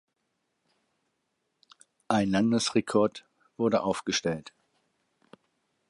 Ein Landesrekord wurde aufgestellt.